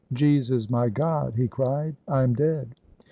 "Jesus, my God," he cried, "I am dead!"